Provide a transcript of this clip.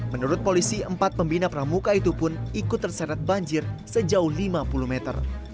menurut polisi empat pembina pramuka itu pun ikut terseret banjir sejauh lima puluh meter